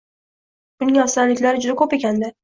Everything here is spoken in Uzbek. buning afzalliklari juda ko‘p ekan-da.